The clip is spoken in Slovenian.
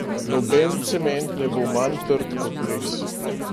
Noben cement ne bo manj trd kot les.